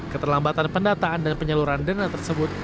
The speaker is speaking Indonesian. keterlambatan pendataan dan penyaluran dana tersebut